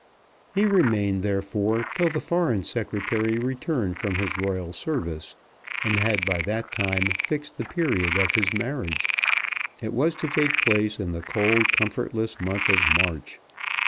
He remained, therefore, till the Foreign Secretary returned from his royal service, and had by that time fixed the period of his marriage. It was to take place in the cold comfortless month of March.